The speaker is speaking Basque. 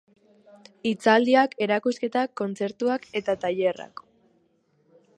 Hitzaldiak, erakusketak, kontzertuak eta tailerrak.